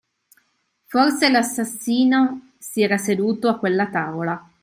Forse, l'assassino si era seduto a quella tavola.